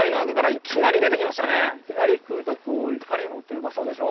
いきなり来るとこういかにもという場所でしょ？